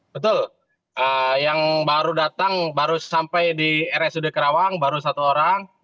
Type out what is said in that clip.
betul yang baru datang baru sampai di rsud karawang baru satu orang